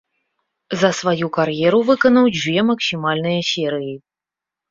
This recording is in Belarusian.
За сваю кар'еру выканаў дзве максімальныя серыі.